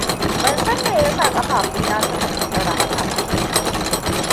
Ban san me yasa ƙafafuna suka kumbura haka ba.